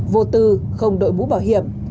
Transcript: vô tư không đội bú bảo hiểm